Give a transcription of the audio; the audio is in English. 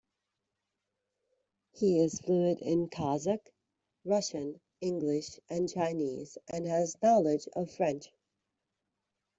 He is fluent in Kazakh, Russian, English and Chinese and has knowledge of French.